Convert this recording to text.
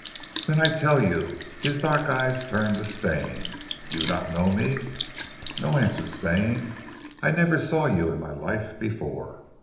"Then I tell you." His dark eyes turned to Stane. "You not know me?" "No," answered Stane. "I never saw you in my life before."